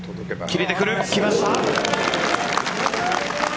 切れてくる、きました。